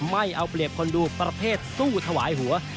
ไม่เอาเปรียบคนดูประเภทสู้ถวายหัว